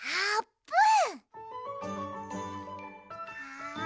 ぷん。